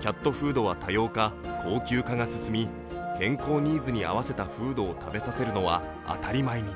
キャットフードは多様化高級化が進み健康ニーズに合わせたフードを食べさせるのは当たり前に。